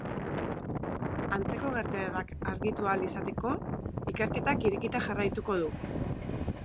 Antzeko gertaerak argitu ahal izateko, ikerketak irekita jarraituko du.